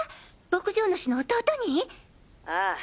牧場主の弟に！？ああ。